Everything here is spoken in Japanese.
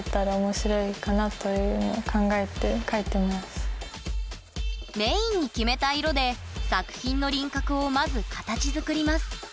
全然メインに決めた色で作品の輪郭をまず形づくります。